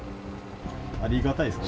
ありがたいですか？